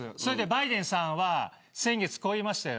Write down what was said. バイデンさんは先月こう言いました。